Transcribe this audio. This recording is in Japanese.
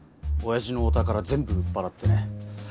おやじのお宝全部売っぱらってね。